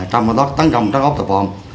trong khi đó tấn công trắng ốc tại phòng